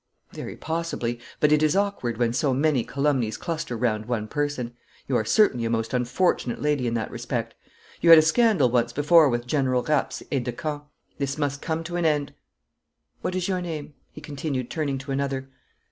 'Very possibly, but it is awkward when so many calumnies cluster round one person. You are certainly a most unfortunate lady in that respect. You had a scandal once before with General Rapp's aide de camp. This must come to an end. What is your name?' he continued, turning to another.